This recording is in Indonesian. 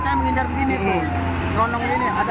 saya mengincar begini tuh ronong gini